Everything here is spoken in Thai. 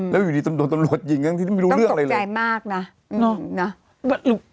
แล้วอยู่ดีต้นตุนต้นหลวดอย่างนั้นที่ไม่รู้เรื่องอะไรแล้ว